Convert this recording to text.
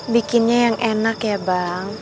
bikinnya yang enak ya bang